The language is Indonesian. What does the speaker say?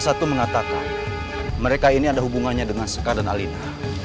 satu mengatakan mereka ini ada hubungannya dengan sekar dan alina